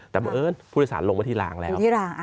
แต่บังเอิญผู้โดยสารลงมาที่ลางแล้ว